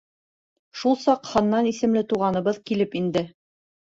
Шул саҡ Ханнан исемле туғаныбыҙ килеп инде.